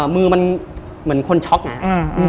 มือมันเหมือนคนช็อกนะครับ